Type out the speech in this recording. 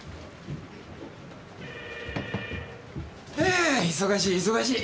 あ忙しい忙しい。